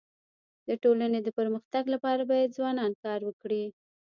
د ټولني د پرمختګ لپاره باید ځوانان کار وکړي.